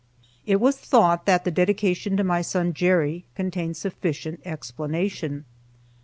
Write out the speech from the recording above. It was thought that the dedication to my son Jerry contained sufficient explanation.